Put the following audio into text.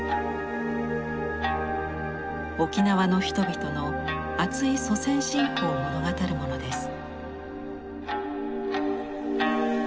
沖縄の人々のあつい祖先信仰を物語るものです。